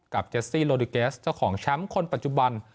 เจสซี่โลดิเกสเจ้าของแชมป์คนปัจจุบัน